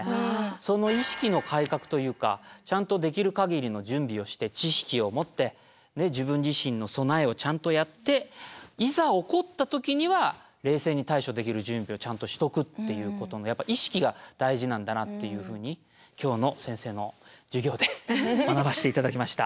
その意識の改革というかちゃんとできる限りの準備をして知識を持って自分自身の備えをちゃんとやっていざ起こった時には冷静に対処できる準備をちゃんとしておくっていうことのやっぱ意識が大事なんだなっていうふうに今日の先生の授業で学ばしていただきました。